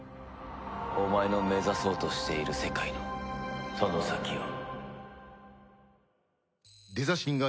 お前の目指そうとしている世界のその先を。